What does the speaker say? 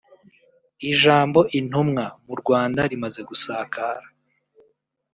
Ijambo “Intumwa” mu Rwand rimaze gusakara